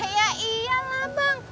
iya iya lah bang